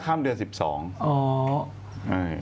๑๕ข้ามเกือบเชื้อ๑๒